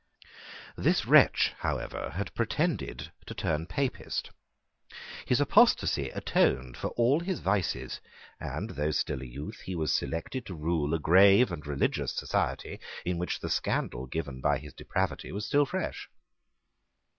This wretch, however, had pretended to turn Papist. His apostasy atoned for all his vices; and, though still a youth, he was selected to rule a grave and religious society in which the scandal given by his depravity was still fresh.